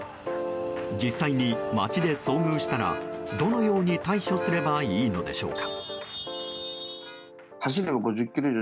実際に街で遭遇したらどのように対処すればいいのでしょうか。